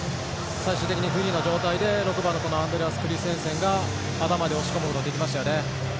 最終的にフリーな状態で、６番のアンドレアス・クリステンセンが頭で押し込むことができましたね。